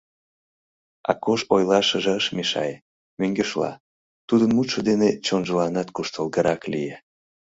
Акош ойлашыже ыш мешае, мӧҥгешла, тудын мутшо дене чонжыланат куштылгырак лие.